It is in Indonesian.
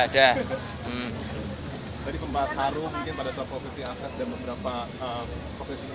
jadi sempat haru mungkin pada sebuah profesi akad dan beberapa profesi budaya